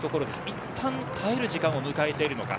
いったん耐える時間をむかえているのか。